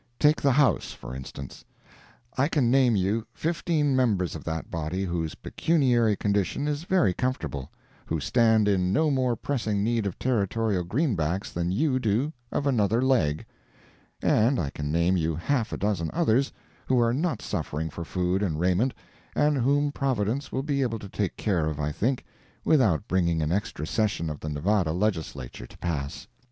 Take the House, for instance. I can name you fifteen members of that body whose pecuniary condition is very comfortable—who stand in no more pressing need of Territorial greenbacks than you do of another leg. And I can name you half a dozen others who are not suffering for food and raiment, and whom Providence will be able to take care of, I think, without bringing an extra session of the Nevada Legislature to pass.